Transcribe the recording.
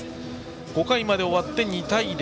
５回まで終わって２対０。